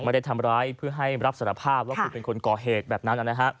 ไม่ได้ทำร้ายเพื่อให้รับสารภาพว่าคุณเป็นคนก่อเหตุแบบนั้น